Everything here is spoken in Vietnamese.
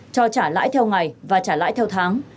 cho trả lãi theo ngày và trả lãi theo tháng